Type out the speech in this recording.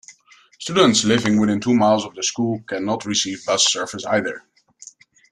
Students living within two miles of their school can not receive bus service either.